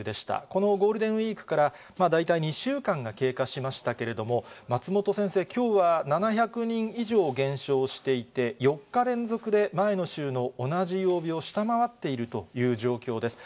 このゴールデンウィークから大体２週間が経過しましたけれども、松本先生、きょうは７００人以上減少していて、４日連続で前の週の同じ曜日を下回っているという状況です。